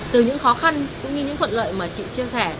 từ những khó khăn cũng như những thuận lợi mà chị chia sẻ